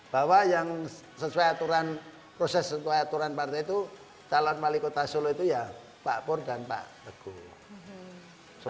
bahwa yang sesuai aturan proses sesuai aturan partai itu calon wali kota solo itu ya pak pur dan pak teguh